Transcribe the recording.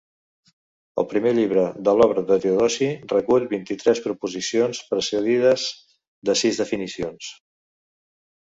El primer llibre de l’obra de Teodosi recull vint-i-tres proposicions, precedides de sis definicions.